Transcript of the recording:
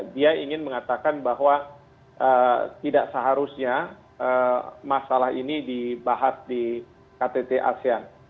dia ingin mengatakan bahwa tidak seharusnya masalah ini dibahas di ktt asean